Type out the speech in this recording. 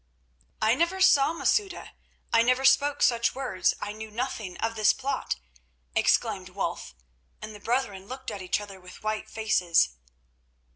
'" "I never saw Masouda! I never spoke such words! I knew nothing of this plot!" exclaimed Wulf, and the brethren looked at each other with white faces.